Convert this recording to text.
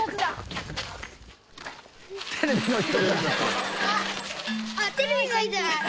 「テレビの人だ」。